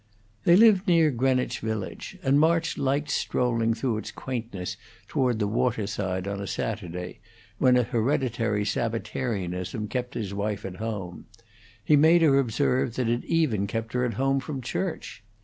They lived near Greenwich Village, and March liked strolling through its quaintness toward the waterside on a Sunday, when a hereditary Sabbatarianism kept his wife at home; he made her observe that it even kept her at home from church.